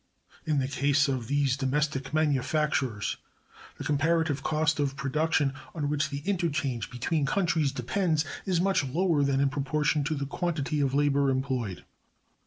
In the case of these domestic manufactures, the comparative cost of production, on which the interchange between countries depends, is much lower than in proportion to the quantity of labor employed.